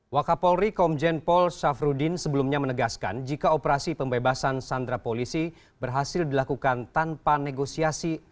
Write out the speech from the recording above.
wakapol rikomjen pol shafrudin sebelumnya menegaskan jika operasi pembebasan sandra polisi berhasil dilakukan tanpa negosiasi